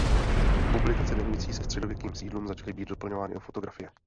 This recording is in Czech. Publikace věnující se středověkým sídlům začaly být doplňovány o fotografie.